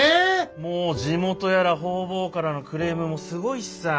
もう地元やら方々からのクレームもすごいしさ